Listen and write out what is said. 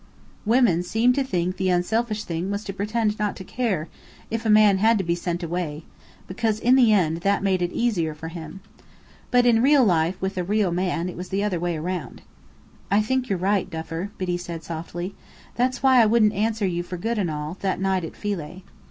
Women seemed to think the unselfish thing was to pretend not to care, if a man had to be sent away; because in the end that made it easier for him. But in real life, with a real man, it was the other way round. "I think you're right, Duffer," Biddy said softly. "That's why I wouldn't answer you for good and all, that night at Philae.